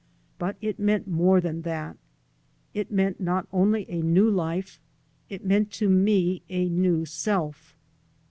But it meant more than that. It meant not only a new life; it meant to me a new self.